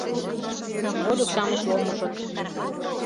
Вольык-шамыч ломыжыт.